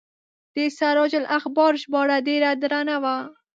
د سراج الاخبار ژباړه ډیره درنه وه.